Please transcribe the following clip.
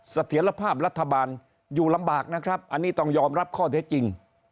เสถียรภาพรัฐบาลอยู่ลำบากนะครับอันนี้ต้องยอมรับข้อเท็จจริง